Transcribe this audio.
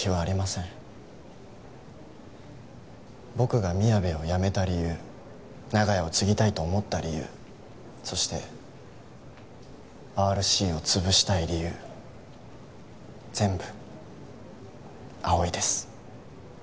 僕がみやべを辞めた理由長屋を継ぎたいと思った理由そしてＲＣを潰したい理由全部葵です。